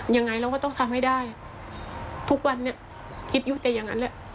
ยังไงเราก็ต้องทำให้ได้ทุกวันนี้คิดอยู่แต่อย่างนั้นแหละ